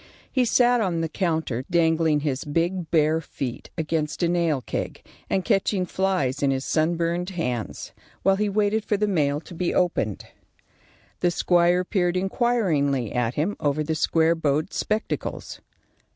He sat on the counter dangling his big bare feet against a nail keg, and catching flies in his sunburned hands, while he waited for the mail to be opened. The squire peered inquiringly at him over the square bowed spectacles.